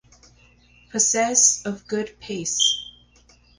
Possessed of good pace.